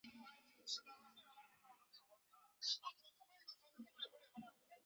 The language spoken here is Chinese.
坚韧猪笼草是澳大利亚昆士兰州北部特有的热带食虫植物。